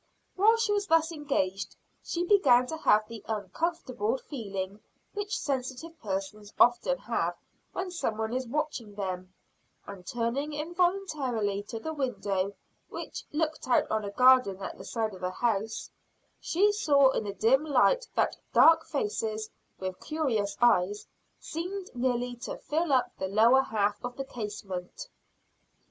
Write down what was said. While she was thus engaged, she began to have the uncomfortable feeling which sensitive persons often have when some one is watching them; and turning involuntarily to the window which looked out on a garden at the side of the house, she saw in the dim light that dark faces, with curious eyes, seemed nearly to fill up the lower half of the casement.